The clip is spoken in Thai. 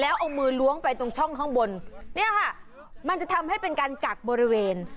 แล้วเอามือล้วงไปตรงช่องข้างบนเนี่ยค่ะมันจะทำให้เป็นการกักบริเวณ